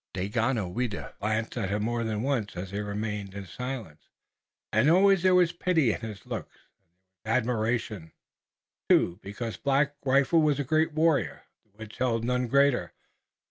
Daganoweda glanced at him more than once as he remained in silence, and always there was pity in his looks. And there was admiration too, because Black Rifle was a great warrior. The woods held none greater.